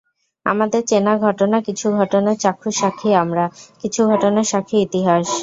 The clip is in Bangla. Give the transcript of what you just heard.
আমাদের চেনা ঘটনা, কিছু ঘটনার চাক্ষুষ সাক্ষী আমরা, কিছু ঘটনার সাক্ষী ইতিহাস।